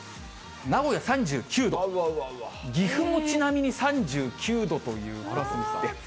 名古屋３９度、岐阜もちなみに３９度ということで。